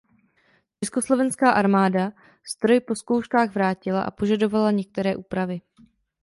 Československá armáda stroj po zkouškách vrátila a požadovala některé úpravy.